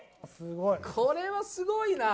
これはすごいな。